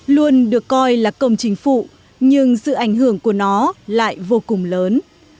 luôn được coi là công chính phủ nhưng sự ảnh hưởng của nó lại vô cùng lớn